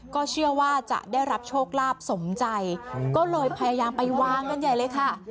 ก็เชื่อว่าจะได้รับโชคลาภสมใจก็เลยพยายามไปวางกันใหญ่เลยค่ะ